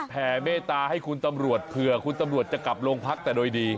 เมตตาให้คุณตำรวจเผื่อคุณตำรวจจะกลับโรงพักแต่โดยดี